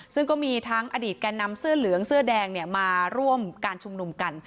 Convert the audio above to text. ซึ่งก็มีทั้งอดีตแก่นำเสื้อเหลืองเสื้อแดงมาร่วมการชุมนุมกัน